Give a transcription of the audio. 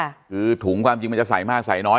คือถุงความจริงมันจะใส่มากใส่น้อย